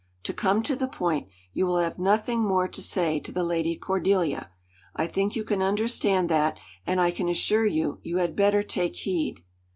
To come to the point, you will have nothing more to say to the Lady Cordelia. I think you can understand that, and I can assure you, you had better take heed."